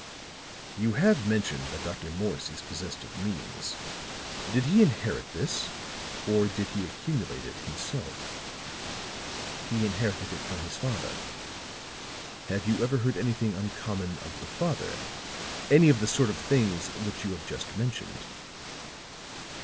"You have mentioned that Dr. Morse is possessed of means. Did he inherit this, or did he accumulate it himself?" "He inherited it from his father." "Have you ever heard anything uncommon of the father? Any of the sort of things which you have just mentioned?"